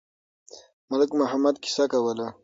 ملک محمد قصه کوله.